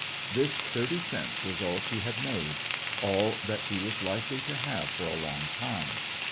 This thirty cents was all she had made, all that she was likely to have for a long time.